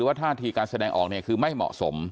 หรือว่าท่าทีการแสดงออกคือไม่เหมาะสม